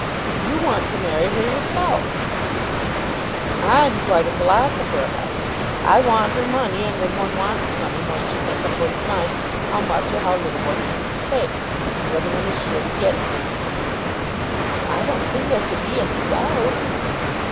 "You want to marry her yourself." "I'm quite a philosopher about it. I want her money; and when one wants money, one should make up one's mind how much or how little one means to take, and whether one is sure to get it." "I don't think there can be any doubt."